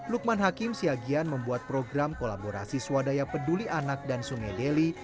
lukman hakim siagian membuat program kolaborasi swadaya peduli anak dan sungai deli